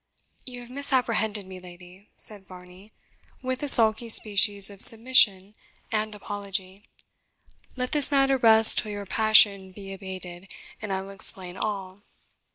"You have misapprehended me, lady," said Varney, with a sulky species of submission and apology; "let this matter rest till your passion be abated, and I will explain all."